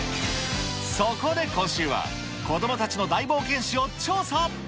そこで今週は、子どもたちの大冒険史を調査。